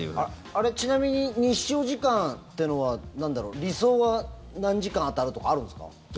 あれ、ちなみに日照時間というのは理想は何時間当たるとかあるんですか？